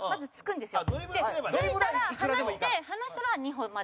で、ついたら離して離したら２歩まで。